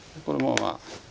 これもまあ。